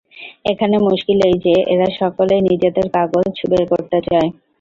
এখানে মুশকিল এই যে, এরা সকলেই নিজেদের কাগজ বের করতে চায়।